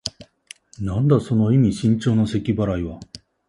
なんだ、その意味深長なせき払いは。